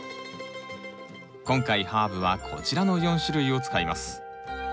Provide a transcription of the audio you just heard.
今回ハーブはこちらの４種類を使います。